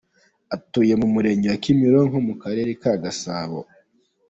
Atuye mu Murenge wa Kimironko mu Karere ka Gasabo.